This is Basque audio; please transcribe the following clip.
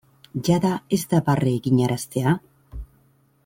Jada ez da barre eginaraztea?